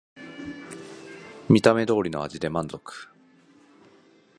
見た目通りの味で満足